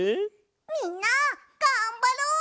みんながんばろう！